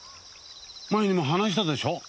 前にも話したでしょう。